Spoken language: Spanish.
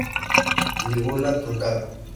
Lígula truncada.